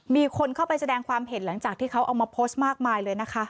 มีคนเข้าไปแสดงความเห็นหลังจากที่เขาเอามาโพสต์มากมายเลยนะคะ